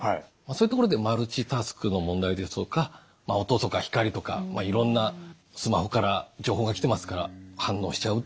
そういうところでマルチタスクの問題ですとか音とか光とかいろんなスマホから情報が来てますから反応しちゃう。